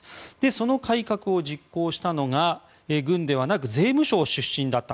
その改革を実行したのが軍ではなく税務省出身だった。